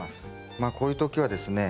まあこういう時はですね